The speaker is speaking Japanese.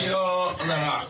ほんなら。